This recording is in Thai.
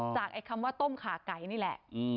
อ๋อจากคำว่าต้มข่าวไก่นี่แหละ